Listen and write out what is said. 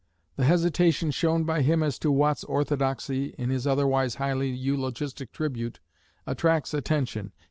The hesitation shown by him as to Watt's orthodoxy in his otherwise highly eulogistic tribute, attracts attention.